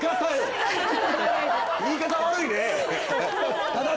言い方悪いで！